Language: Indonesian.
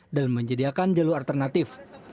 dan menjadikan jalur alternatif